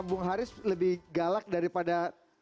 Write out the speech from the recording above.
bung haris lebih galak daripada